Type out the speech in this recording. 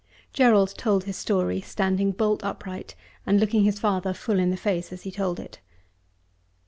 Gerald told his story, standing bolt upright, and looking his father full in the face as he told it.